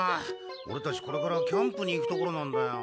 オレたちこれからキャンプに行くところなんだよ。